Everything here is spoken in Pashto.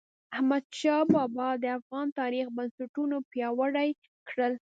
احمدشاه بااب د افغان تاریخ بنسټونه پیاوړي کړل.